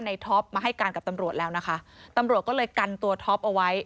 ท็อปมาให้การกับตำรวจแล้วนะคะตำรวจก็เลยกันตัวท็อปเอาไว้